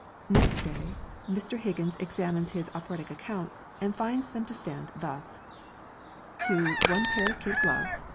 Next day Mr. Higgins examines his operatic accounts, and finds them to stand thus: To one pair kid gloves, $1.